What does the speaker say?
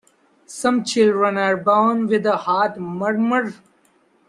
Some children are born with a heart murmur.